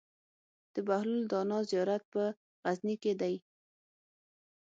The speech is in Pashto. د بهلول دانا زيارت په غزنی کی دی